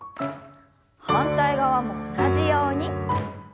反対側も同じように。